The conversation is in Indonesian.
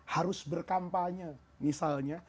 harus berkampanye misalnya